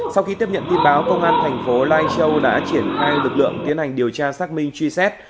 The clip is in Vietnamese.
sau khi tiếp nhận tin báo công an thành phố lai châu đã triển khai lực lượng tiến hành điều tra xác minh truy xét